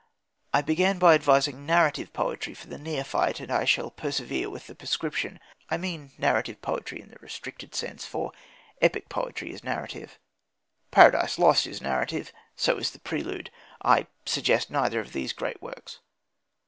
I began by advising narrative poetry for the neophyte, and I shall persevere with the prescription. I mean narrative poetry in the restricted sense; for epic poetry is narrative. Paradise Lost is narrative; so is The Prelude. I suggest neither of these great works.